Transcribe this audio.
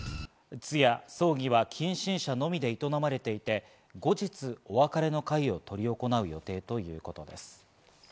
通夜・葬儀は近親者のみで営まれていて、後日お別れの会をとり行う予定ということです。